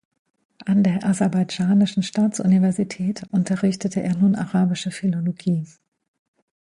An der Aserbaidschanischen Staatsuniversität unterrichtete er nun arabische Philologie.